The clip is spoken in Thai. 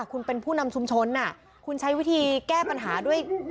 คุณเป็นผู้นำชุมชนคุณใช้วิธีแก้ปัญหาด้วย